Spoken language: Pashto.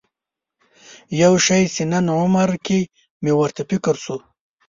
یو شي چې نن عمره کې مې ورته فکر شو.